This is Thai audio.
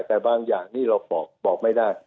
แต่บางอย่างนี้เราบอกไม่ได้